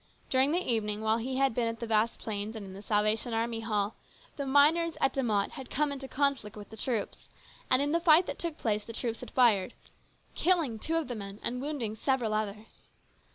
During the evening, while he had been at the Vasplaines' and in the Salvation Army Hall, the miners at De Mott had come in conflict with the troops, and in the fight that took place the troops had fired, killing two of the men and wounding several others.